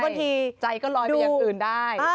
ใช่ใจก็ลอยไปอย่างอื่นได้